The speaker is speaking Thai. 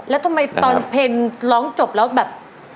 แล้วทำไมตอนเพลงร้องจบแล้วแบบ